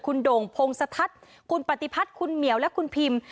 คุณโด่งพงศทัศน์คุณปฏิพัฒน์คุณเหมียวและคุณพิม